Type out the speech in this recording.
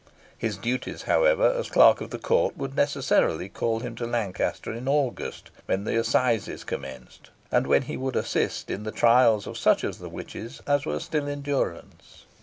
His duties, however, as clerk of the court, would necessarily call him to Lancaster in August, when the assizes commenced, and when he would assist at the trials of such of the witches as were still in durance.